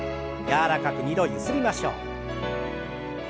柔らかく２度ゆすりましょう。